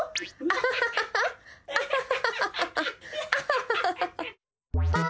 アハハハハハ。